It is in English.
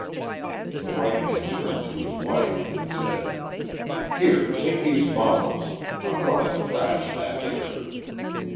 The white man turned to his wife and said: "Here, take these bundles. I'm going to thrash that nigger."